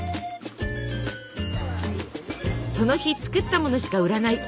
その日作ったものしか売らない。